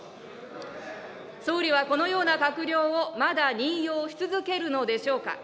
総理はこのような閣僚をまだ任用し続けるのでしょうか。